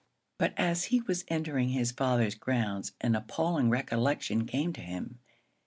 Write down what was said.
But as he was entering his father's grounds an appalling recollection came to him.